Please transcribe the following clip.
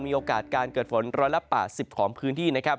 มีโอกาสการเกิดฝน๑๘๐ของพื้นที่นะครับ